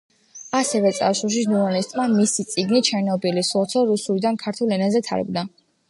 ასევე წარსულში ჟურნალისტმა მისი წიგნი „ჩერნობილის ლოცვა“ რუსულიდან ქართულ ენაზე თარგმნა.